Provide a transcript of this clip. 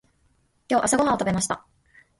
今日朝ごはんを食べました。